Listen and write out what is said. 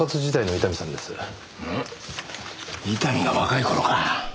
伊丹が若い頃か。